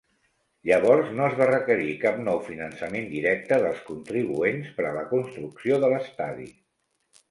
Llavors, no es va requerir cap nou finançament directe dels contribuents per a la construcció de l'estadi.